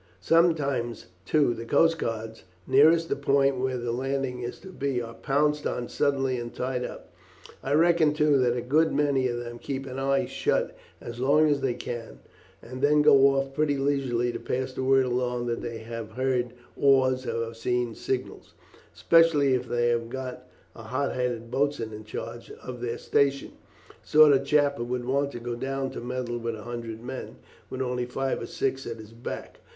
Sometimes, too, the coast guards nearest the point where the landing is to be, are pounced on suddenly and tied up. I reckon, too, that a good many of them keep an eye shut as long as they can, and then go off pretty leisurely to pass the word along that they have heard oars or have seen signals, especially if they have got a hot headed boatswain in charge of their station, a sort of chap who would want to go down to meddle with a hundred men, with only five or six at his back.